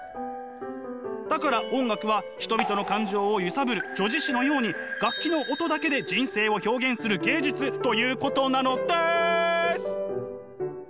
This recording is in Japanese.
だから音楽は人々の感情を揺さぶる叙事詩のように楽器の音だけで人生を表現する芸術ということなのです！